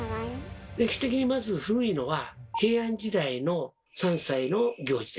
歴史的にまず古いのは平安時代の３歳の行事です。